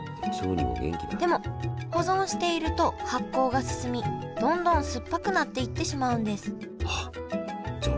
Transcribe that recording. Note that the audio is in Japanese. でも保存していると発酵が進みどんどん酸っぱくなっていってしまうんですあっじゃ